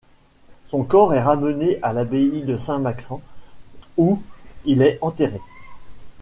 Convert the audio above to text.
Son corps est ramené à l'abbaye de Saint-Maixent où il est enterré.